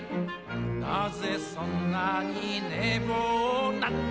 「なぜそんなに寝坊なんだい」